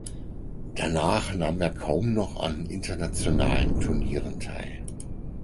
Danach nahm er kaum noch an internationalen Turnieren teil.